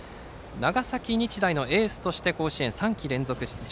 長崎日大のエースとして甲子園、３季連続出場。